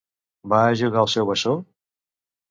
Va ajudar el seu bessó?